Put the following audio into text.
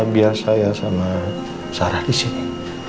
biar saya sama sarah di sini